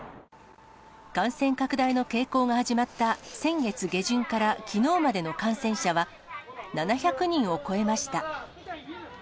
感染拡大の傾向が始まった先月下旬からきのうまでの感染者は、７００人を超えました。